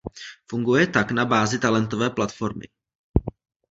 Funguje tak na bázi talentové platformy.